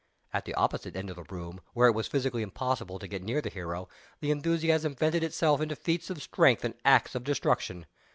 At the opposite end of the room, where it was physically impossible to get near the hero, the enthusiasm vented itself in feats of strength and acts of destruction.